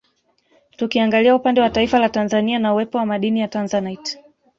Tukiangalia upande wa taifa la Tanzania na uwepo wa madini ya Tanzanite